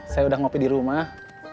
saya udah ngopi dirumah